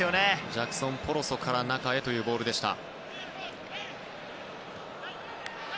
ジャクソン・ポロソから中へというボールでした。